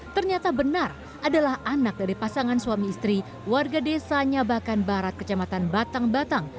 ternyata benar adalah anak dari pasangan suami istri warga desanyabakan barat kecamatan batang batang